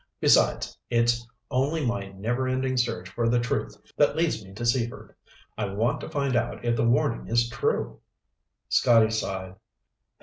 Besides, it's only my never ending search for the truth that leads me to Seaford. I want to find out if the warning is true." Scotty sighed.